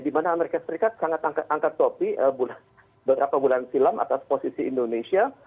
di mana amerika serikat sangat angkat topi beberapa bulan silam atas posisi indonesia